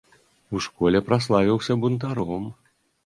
У школе праславіўся бунтаром.